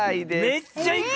めっちゃいく！